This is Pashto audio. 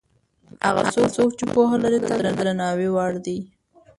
هغه څوک چې پوهه لري تل د درناوي وړ دی.